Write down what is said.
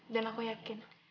dan aku yakin